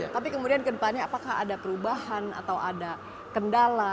tapi kemudian ke depannya apakah ada perubahan atau ada kendala